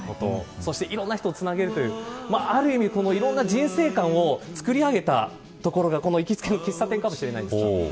そして、いろんな人つなげるというある意味いろんな人生観を作り上げた所が行きつけの喫茶店かもしれないです。